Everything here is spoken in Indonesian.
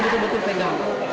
saya melihatkan lainnya